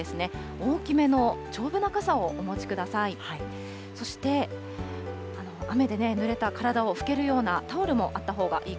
大きめの丈夫な傘をお持ちください。